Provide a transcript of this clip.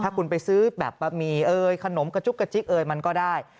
ถ้าคุณไปซื้อแบบบะหมี่เอ่ยขนมกระจุกกระจิ๊กเอยมันก็ได้